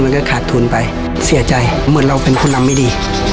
ขาดทุนไปเสียใจเหมือนเราเป็นผู้นำไม่ดี